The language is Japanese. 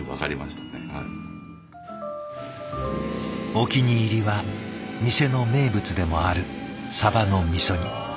お気に入りは店の名物でもあるサバの味煮。